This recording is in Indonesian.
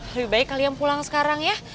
lebih baik kalian pulang sekarang ya